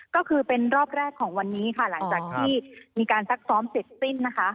ก็คือเป็นรอบแรกของวันนี้ค่ะหลังจากที่มีการซักซ้อมเสร็จสิ้นนะคะ